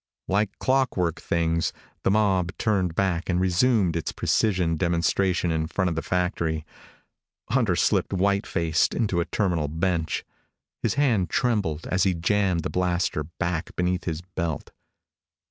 Like clockwork things, the mob turned back and resumed its precision demonstration in front of the factory. Hunter slipped white faced into a terminal bench. His hand trembled as he jammed the blaster back beneath his belt.